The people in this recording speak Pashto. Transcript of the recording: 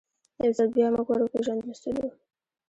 یو ځل بیا موږ ور وپېژندل سولو.